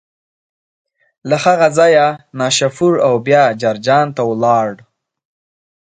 له هغه ځایه نشاپور او بیا جرجان ته ولاړ.